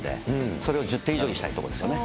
それを１０点以上にしたいところですね。